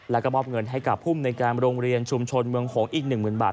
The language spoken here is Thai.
แล้วก็มอบเงินให้กับภูมิในการโรงเรียนชุมชนเมืองหงษ์อีก๑๐๐๐บาท